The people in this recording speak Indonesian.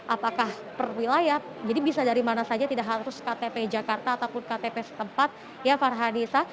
apakah perwilayah jadi bisa dari mana saja tidak harus ktp jakarta ataupun ktp setempat ya para desa